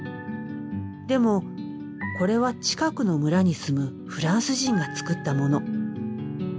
でもこれは近くの村に住むフランス人が作ったモノ。